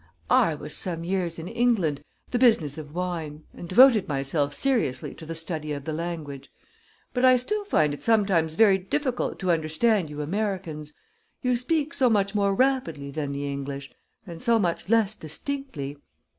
"I was some years in England the business of wine and devoted myself seriously to the study of the language. But I still find it sometimes very difficult to understand you Americans you speak so much more rapidly than the English, and so much less distinctly.